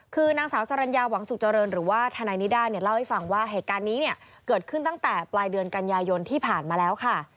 คือนางสาวสรรญาหวังสุขเจริญหรือว่าทนายนิด้าเนี่ยเล่าให้ฟังว่าเหตุการณ์นี้เนี่ยเกิดขึ้นตั้งแต่ปลายเดือนกันยายนที่ผ่านมาแล้วค่ะ